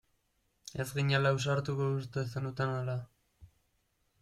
Ez ginela ausartuko uste zenuten ala?